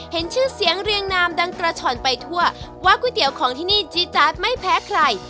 เห็นชื่อเสียงเรียงนามดังกระช่อนไปทั่วว่าก๋วยเตี๋ยวของที่นี่จี๊จาดไม่แพ้ใคร